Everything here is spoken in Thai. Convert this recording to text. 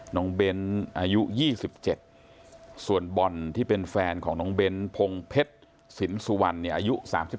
เบ้นอายุ๒๗ส่วนบอลที่เป็นแฟนของน้องเบ้นพงเพชรสินสุวรรณอายุ๓๗